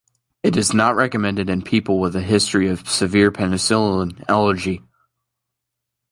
It is not recommended in people with a history of a severe penicillin allergy.